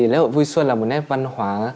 lễ hội vui xuân là một nét văn hóa